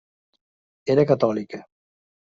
Era catòlica.